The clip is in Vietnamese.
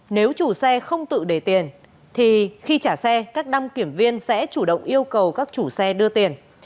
nếu chủ xe không tự để tiền thì khi trả xe các đăng kiểm viên sẽ chủ động yêu cầu các chủ xe đưa tiền